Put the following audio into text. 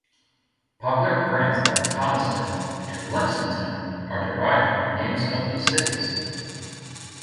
Popular brands like "Thomasville" and "Lexington" are derived from the names of these cities.